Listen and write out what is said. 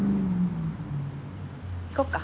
行こっか。